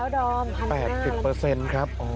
แล้วดอม๘๐ครับ